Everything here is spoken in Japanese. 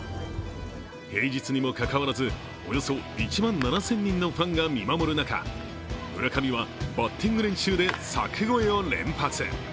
平日にもかかわらず、およそ１万７０００人のファンが見守る中、村上はバッティング練習で柵越えを連発。